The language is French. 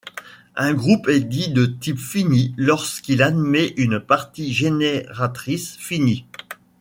Un groupe est dit de type fini lorsqu'il admet une partie génératrice finie.